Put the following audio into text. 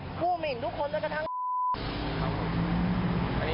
โอเคพูดอะไรก็เลย